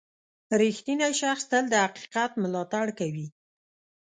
• رښتینی شخص تل د حقیقت ملاتړ کوي.